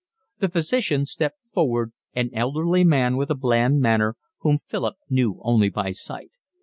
The physician stepped forward, an elderly man with a bland manner, whom Philip knew only by sight.